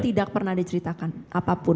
tidak pernah diceritakan apapun